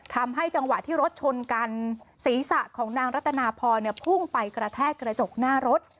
จังหวะที่รถชนกันศีรษะของนางรัตนาพรพุ่งไปกระแทกกระจกหน้ารถ